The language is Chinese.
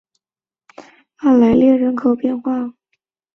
莱阿列人口变化图示